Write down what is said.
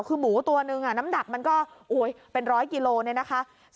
คือหมูตัวหนึ่งน้ำหนักมันก็โอ๊ยเป็น๑๐๐กิโลกรัม